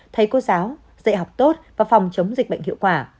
thầy cô giáo dạy học tốt và phòng chống dịch bệnh hiệu quả